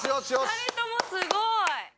２人ともすごい！